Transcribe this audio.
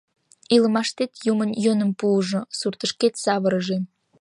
Илымаштет юмо йӧным пуыжо, суртышкет савырыже.